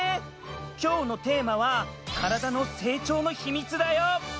きょうのテーマは「カラダの成長のヒミツ」だよ。